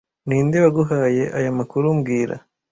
Ninde waguhaye aya makuru mbwira